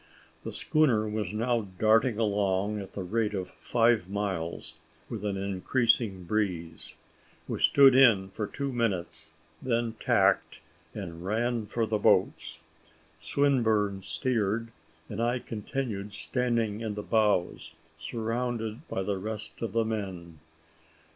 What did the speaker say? The schooner was now darting along at the rate of five miles, with an increasing breeze. We stood in for two minutes, then tacked, and ran for the boats. Swinburne steered, and I continued standing in the bows, surrounded by the rest of the men.